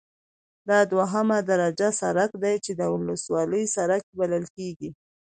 دا دوهمه درجه سرک دی چې د ولسوالۍ سرک بلل کیږي